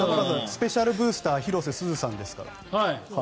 スペシャルブースター広瀬すずさんですから。